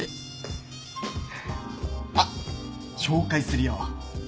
あっ紹介するよ。